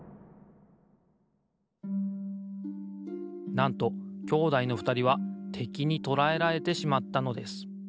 なんと兄弟のふたりはてきにとらえられてしまったのです。